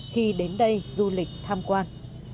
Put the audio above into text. khi đến đây du lịch tham quan